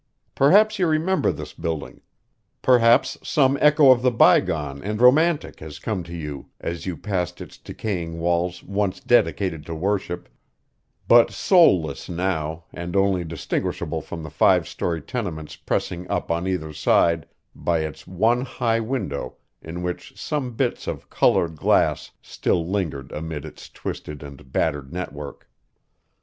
Perhaps you remember this building; perhaps some echo of the bygone and romantic has come to you as you passed its decaying walls once dedicated to worship, but soulless now and only distinguishable from the five story tenements pressing up on either side, by its one high window in which some bits of colored glass still lingered amid its twisted and battered network.